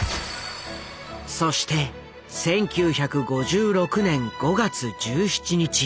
そして１９５６年５月１７日。